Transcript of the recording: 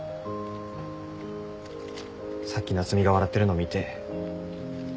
さっき夏海が笑ってるの見て。